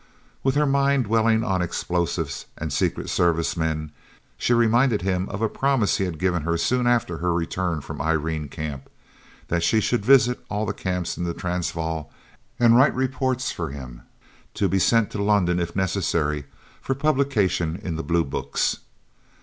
With her mind dwelling on explosives and Secret Service men, she reminded him of a promise he had given her soon after her return from the Irene Camp, that she should visit all the Camps in the Transvaal and write reports for him, to be sent to London if necessary, for publication in the Blue books.